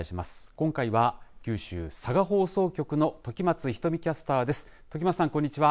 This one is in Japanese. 今回は九州佐賀放送局の時松仁美キャスターです時松さんこんにちは。